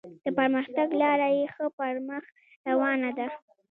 د پرمختګ لاره یې ښه پر مخ روانه ده.